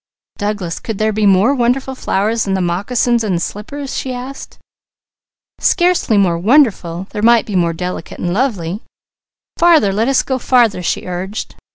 "Douglas, could there be more wonderful flowers than the moccasins and slippers?" she asked. "Scarcely more wonderful; there might be more delicate and lovely!" "Farther! Let us go farther!" she urged.